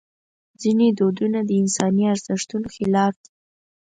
ځینې دودونه د انساني ارزښتونو خلاف دي.